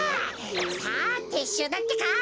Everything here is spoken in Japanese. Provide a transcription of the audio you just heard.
さあてっしゅうだってか！